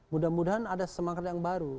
mudah mudahan ada semangat yang baru